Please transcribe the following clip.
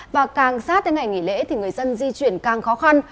và càng sát tới ngày nghỉ lễ thì người dân di chuyển càng khó khăn